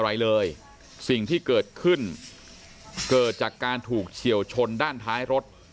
อะไรเลยสิ่งที่เกิดขึ้นเกิดจากการถูกเฉียวชนด้านท้ายรถ